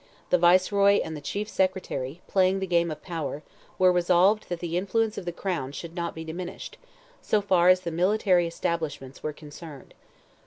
The Viceroy and the Chief Secretary, playing the game of power, were resolved that the influence of the crown should not be diminished, so far as the military establishments were concerned.